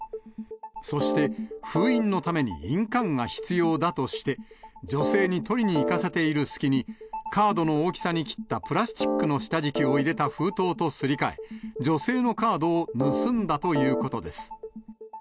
そして、封印のために印鑑が必要だとして、女性に取りに行かせている隙にカードの大きさに切ったプラスチックの下敷きを入れた封筒とすり替え、女性のカードを盗んだということです。